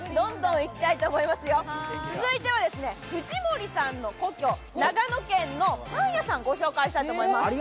続いては、藤森さんの故郷長野県のパン屋さんご紹介したいと思います。